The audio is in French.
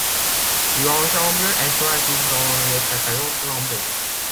L'ensemble est choisi dans le catalogue Brembo.